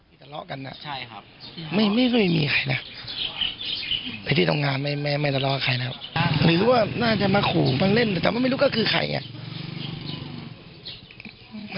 อืมไม่น่าทำกันนะครับ